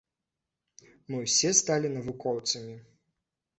Мы ўсе сталі навукоўцамі.